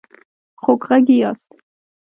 خوږغږي ياست